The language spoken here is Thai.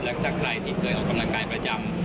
และถ้าใครที่เคยออกกำลังกายประจำ